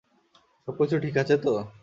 সব কিছু ঠিক আছে তো?